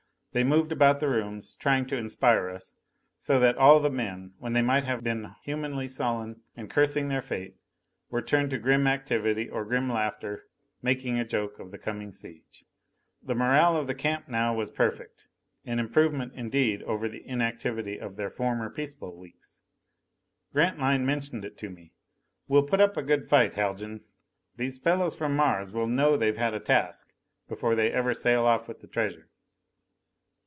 They moved about the rooms, trying to inspire us; so that all the men, when they might have been humanly sullen and cursing their fate, were turned to grim activity, or grim laughter, making a joke of the coming siege. The morale of the camp now was perfect. An improvement indeed over the inactivity of their former peaceful weeks! Grantline mentioned it to me. "Well put up a good fight, Haljan. These fellows from Mars will know they've had a task before they ever sail off with the treasure."